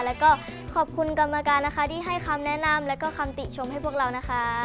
แล้วก็ขอบคุณกรรมการนะคะที่ให้คำแนะนำแล้วก็คำติชมให้พวกเรานะคะ